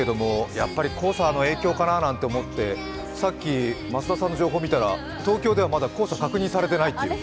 やっぱり黄砂の影響かななんて思って、さっき増田さんの情報を確認したら東京では、まだ黄砂は確認されていないという。